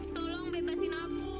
capek banget tau